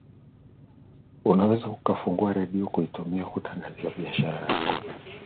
unaweza ukafungua redio ukaitumia kutangaza biashara yako